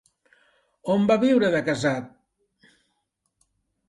On va viure de casat?